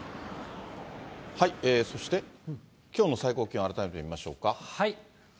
そして、きょうの最高気温、改めて見ましょうか。